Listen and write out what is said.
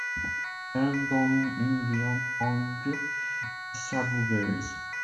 Elle donne une viande tendre et savoureuse.